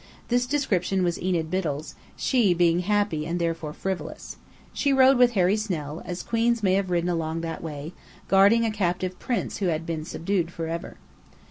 This description was Enid Biddell's, she being happy and therefore frivolous. She rode with Harry Snell, as queens may have ridden along that way, guarding a captive prince who had been subdued forever.